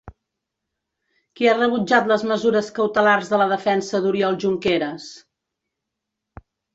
Qui ha rebutjat les mesures cautelars de la defensa d'Oriol Junqueras?